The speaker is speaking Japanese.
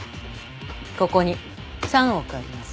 ここに３億あります。